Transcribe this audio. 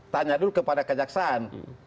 tanya dulu kepada kejaksaan